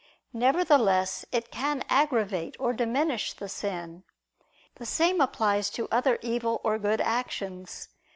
Nevertheless it can aggravate or diminish the sin. The same applies to other evil or good actions.